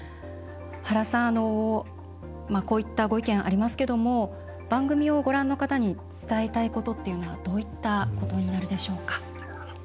原さん、こういったご意見ありますけども番組をご覧の方に伝えたいことっていうのはどういったことになるでしょうか。